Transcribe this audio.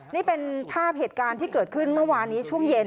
นี่เป็นภาพเหตุการณ์ที่เกิดขึ้นเมื่อวานนี้ช่วงเย็น